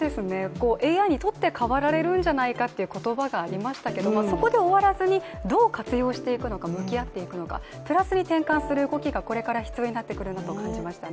ＡＩに取って代わられるんじゃないかという言葉がありましたけれどもそこで終わらずに、どう活用していくのか向き合っていくのか、プラスに転換する動きがこれから必要になってくるんだと感じましたね。